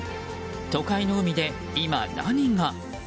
都会の海で今、何が？